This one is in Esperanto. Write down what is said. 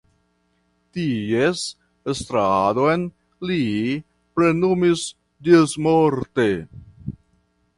Ties estradon li plenumis ĝismorte.